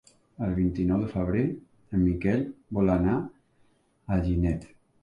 El vint-i-nou de febrer en Miquel vol anar a Alginet.